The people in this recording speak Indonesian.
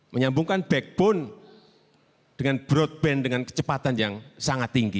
menyambungkan backbone dengan broadband dengan kecepatan yang sangat tinggi